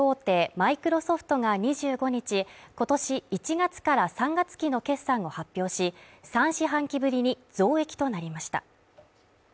マイクロソフトが２５日、今年１月から３月期の決算を発表し、３四半期ぶりに増益となりました。